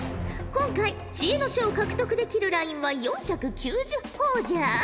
今回知恵の書を獲得できるラインは４９０ほぉじゃ。